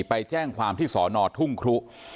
ไปแจ้งความที่สอนอทุ่งครุ